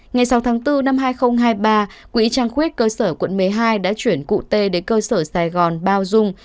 ngày sáu tháng bốn năm hai nghìn hai mươi ba quỹ trang khuyết cơ sở quận một mươi hai đã chuyển cụ tê đến cơ sở sài gòn bao dung